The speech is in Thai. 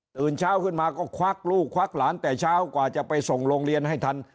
ตื่นเช้าขึ้นมาก็ควักลูกควักหลานแต่เช้ากว่าจะไปส่งโรงเรียนให้ทัน